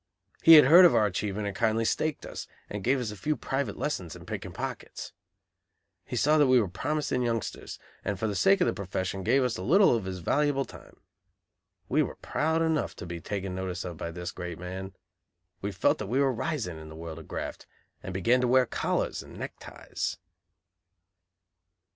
He had heard of our achievement and kindly "staked" us, and gave us a few private lessons in picking pockets. He saw that we were promising youngsters, and for the sake of the profession gave us a little of his valuable time. We were proud enough, to be taken notice of by this great man. We felt that we were rising in the world of graft, and began to wear collars and neckties.